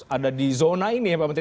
ada di zona ini ya pak menteri